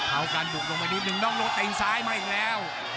เอาการบุกลงไปนิดนึงน้องโน้ตเต็งซ้ายมาอีกแล้ว